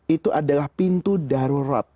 itu adalah pintu darurat